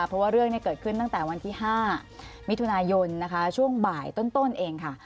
เพราะว่าเรื่องเกิดขึ้นตั้งแต่วันที่๕มิถุนายนนะคะช่วงบ่ายต้นเองค่ะ